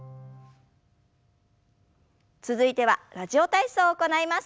続いては「ラジオ体操」を行います。